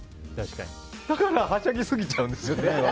だからはしゃぎすぎちゃうんですよね。